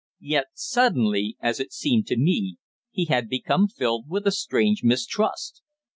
Yet suddenly, as it seemed to me, he had become filled with a strange mistrust.